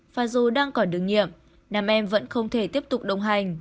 và dù đang còn đường nhiệm nam em vẫn không thể tiếp tục đồng hành